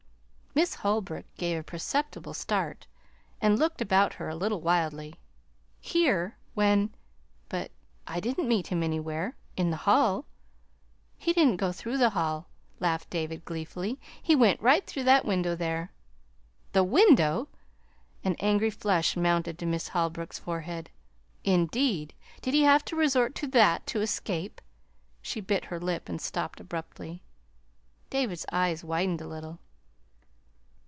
Miss Holbrook gave a perceptible start and looked about her a little wildly. "Here when But I didn't meet him anywhere in the hall." "He didn't go through the hall," laughed David gleefully. "He went right through that window there." "The window!" An angry flush mounted to Miss Holbrook's forehead. "Indeed, did he have to resort to that to escape " She bit her lip and stopped abruptly. David's eyes widened a little.